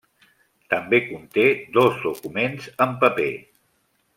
També conté dos documents en paper.